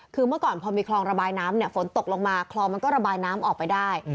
คือเมื่อก่อนพอมีคลองระบายน้ำฝนตกลงมาคลองมันก็ระบายน้ำออกไปได้